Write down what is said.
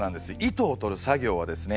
糸をとる作業はですね